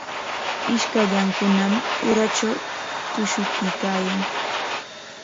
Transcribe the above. Ishkallankunam uratraw tushuykaayan.